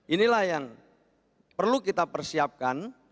inilah yang perlu kita persiapkan